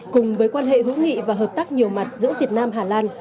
cùng với quan hệ hữu nghị và hợp tác nhiều mặt giữa việt nam hà lan